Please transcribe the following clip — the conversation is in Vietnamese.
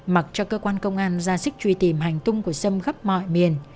mặc cho cơ quan công an ra sức truy tìm hành tung của sâm khắp mọi miền